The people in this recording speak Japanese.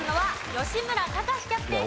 吉村キャプテン！